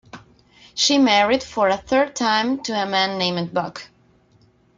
She married for a third time to a man named Buck.